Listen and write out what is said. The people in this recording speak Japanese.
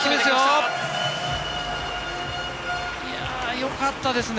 良かったですよ！